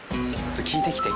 聞いてきて。